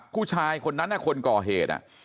ผู้ชายคนนั้นคนก่อเหตุ